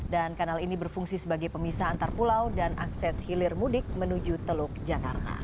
dan kanal ini berfungsi sebagai pemisah antar pulau dan akses hilir mudik menuju teluk jakarta